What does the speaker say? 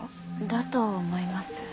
だと思います。